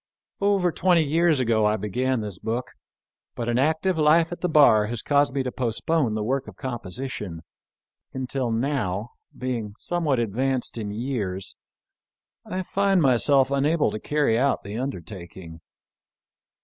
Over twenty years ago I began this book; but an active life at the bar has caused me to postpone xii PREFACE. the work of composition, until, now, being some what advanced in years, I find myself unable to carry out the undertaking.